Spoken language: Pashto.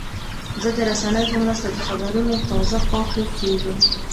زه د رسنیو په مرسته د خبرونو تازه پاتې کېږم.